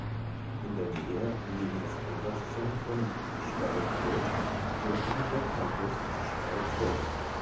In der Nähe liegen das Einkaufzentrum Steilshoop sowie der Campus Steilshoop.